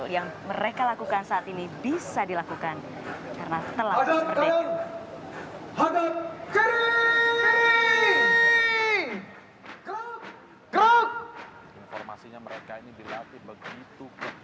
yang mereka lakukan saat ini bisa dilakukan karena telah merdeka